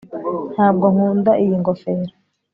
ntabwo nkunda iyi ngofero